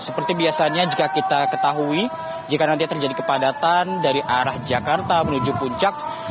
seperti biasanya jika kita ketahui jika nanti terjadi kepadatan dari arah jakarta menuju puncak